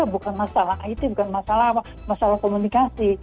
bukan masalah it bukan masalah apa masalah komunikasi